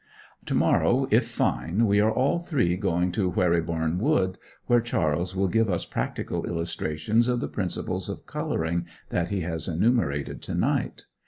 To morrow, if fine, we are all three going to Wherryborne Wood, where Charles will give us practical illustrations of the principles of coloring that he has enumerated to night.